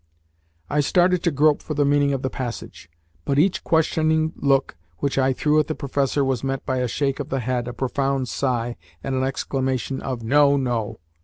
I started to grope for the meaning of the passage, but each questioning look which I threw at the professor was met by a shake of the head, a profound sigh, and an exclamation of "No, no!"